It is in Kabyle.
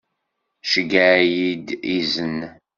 Ceyyeɛ-iyi-d izen.